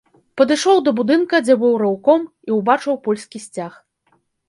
Падышоў да будынка, дзе быў рэўком, і ўбачыў польскі сцяг.